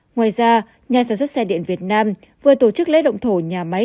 ngoài ra nhà sản xuất xe điện việt nam vừa tổ chức lễ động thổ nhà máy